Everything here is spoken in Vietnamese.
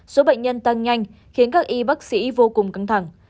số bệnh nhân tăng nhanh khiến các y bác sĩ vô cùng căng thẳng